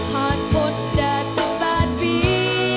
ผ่านหมดแดดสิบแปดปี